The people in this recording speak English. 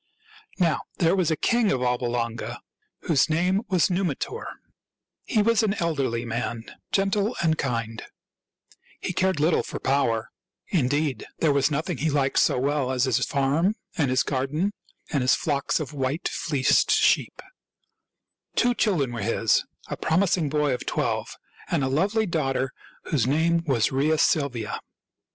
Now, there was a king of Alba Longa whose name was Numitor. He was an elderly man, gentle and kind. He cared little for power; indeed, THIRTY MORE FAM. STO. — 12 I77 178 THIRTY MORE FAMOUS STORIES there was nothing he Uked so well as his farm and his garden and his flocks of white fleeced sheep. Two children were his — a promising boy of twelve and a lovely daughter whose name was Rhea Silvia.